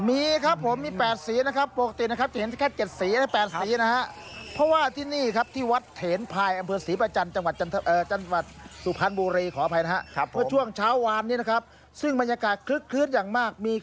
มีครับมีแปดสีนะครับปกติจะเห็นแค่๗สี